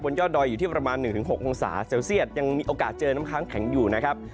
ยอดดอยอยู่ที่ประมาณ๑๖องศาเซลเซียตยังมีโอกาสเจอน้ำค้างแข็งอยู่นะครับ